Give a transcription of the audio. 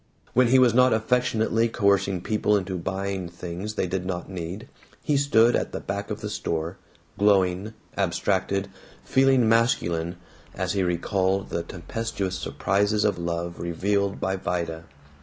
When he was not affectionately coercing people into buying things they did not need, he stood at the back of the store, glowing, abstracted, feeling masculine as he recalled the tempestuous surprises of love revealed by Vida.